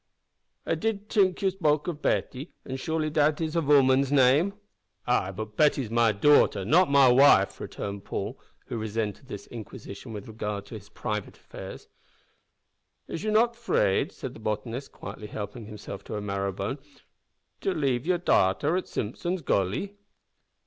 I did t'ink you spoke of Bettie; an surely dat is vooman's name?" "Ay, but Betty's my darter, not my wife," returned Paul, who resented this inquisition with regard to his private affairs. "Is you not 'fraid," said the botanist, quietly helping himself to a marrow bone, "to leave you's darter at Simpson's Gully?"